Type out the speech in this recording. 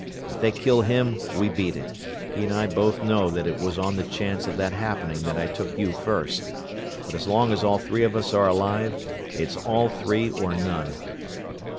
If they kill him we beat it he and I both knew that it was on the chance of that happening that I took you first but as long as all three of us are alive it's all three or none."